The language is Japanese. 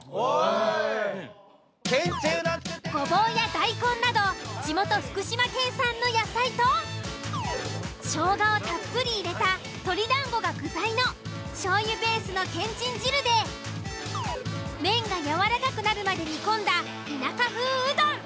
ゴボウやダイコンなど地元福島県産の野菜とショウガをたっぷり入れた鶏団子が具材の醤油ベースのけんちん汁で麺がやわらかくなるまで煮込んだ田舎風うどん。